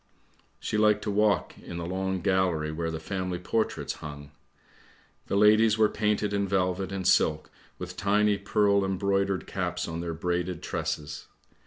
She liked to walk in the long gallery where the family portraits hung. The ladies were painted in velvet and silk, with tiny pearl embroidered caps on their braided tresses.